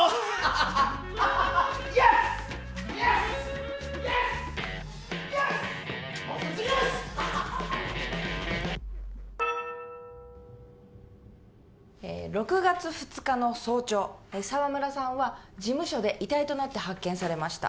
ハハハハッ６月２日の早朝沢村さんは事務所で遺体となって発見されました